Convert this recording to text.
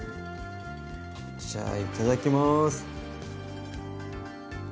じゃあいただきます！